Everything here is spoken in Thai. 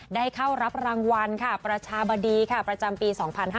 ได้เข้ารับรางวัลประชาบดีประจำปี๒๕๕๙